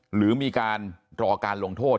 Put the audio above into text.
หรือมีการรอการลงโทษ